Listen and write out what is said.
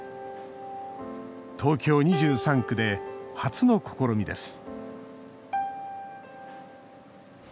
東京２３区で初の試みです